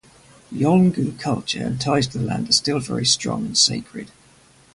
Yolngu culture and ties to the land are still very strong and sacred.